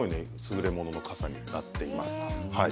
すぐれものの傘になっております。